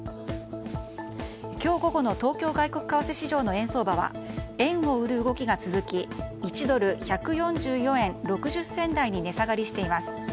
今日午後の東京外国為替市場の円相場は円を売る動きが続き１ドル＝１４４円６０銭台に値下がりしています。